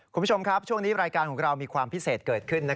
คุณผู้ชมครับช่วงนี้รายการของเรามีความพิเศษเกิดขึ้น